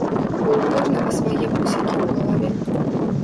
Бо ў кожнага свае прусакі ў галаве.